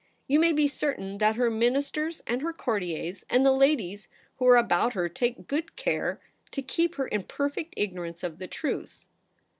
You may be certain that her Ministers, and her courtiers, and the ladies who are about her, take good care to keep her in perfect ignorance of the truth.